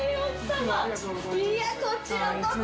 いやこちらこそ。